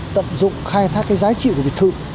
tận dụng khai thác cái giá trị của biệt thự